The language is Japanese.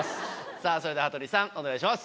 さぁそれでは羽鳥さんお願いします！